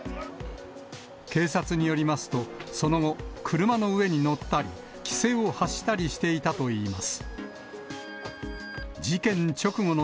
警察によりますと、その後、車の上に乗ったり、奇声を発したりしていたといいます。